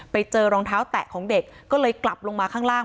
ไปเจอรองเท้าแตะของเด็กก็เลยกลับลงมาข้างล่าง